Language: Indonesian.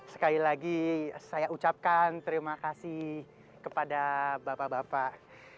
sekali lagi saya ucapkan terima kasih kepada bapak bapak